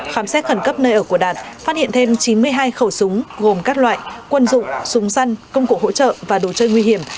khám xét khẩn cấp nơi ở của đạt phát hiện thêm chín mươi hai khẩu súng gồm các loại quân dụng súng săn công cụ hỗ trợ và đồ chơi nguy hiểm